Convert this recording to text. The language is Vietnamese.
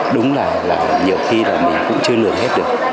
đúng là nhiều khi là mình cũng chưa lường hết được